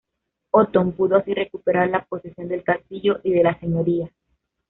Otón pudo así recuperar la posesión del castillo y de la señoría.